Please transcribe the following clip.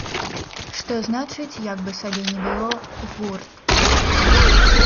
Што значыць, як бы сабе ні было, гурт!